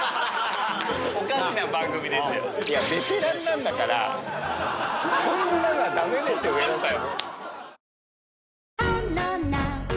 いやベテランなんだからこんなのはダメですよ上田さん。